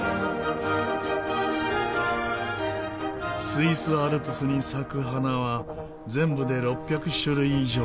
スイスアルプスに咲く花は全部で６００種類以上。